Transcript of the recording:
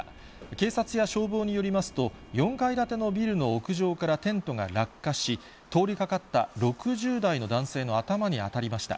警察や消防によりますと、４階建てのビルの屋上からテントが落下し、通りかかった６０代の男性の頭に当たりました。